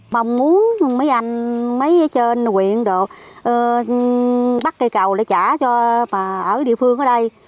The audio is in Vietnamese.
mong muốn mấy anh mấy trên huyện bắt cây cầu để trả cho ở địa phương ở đây